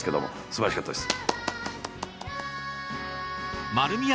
素晴らしかったです。